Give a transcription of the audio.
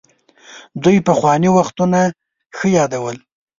دوی پخواني وختونه ښه يادول.